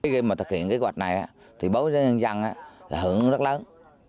khi mà thực hiện cái hoạch này á thì bối với nhân dân là hưởng rất lớn